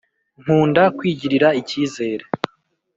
nkunda kwigirira icyizere